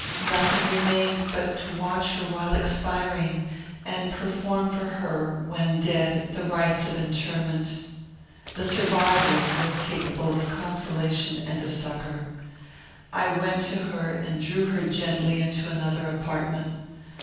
Nothing remained but to watch her while expiring, and perform for her, when dead, the rites of interment. The survivor was capable of consolation and of succour. I went to her and drew her gently into another apartment.